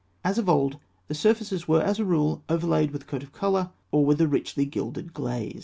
As of old, the surfaces were, as a rule, overlaid with a coat of colour, or with a richly gilded glaze.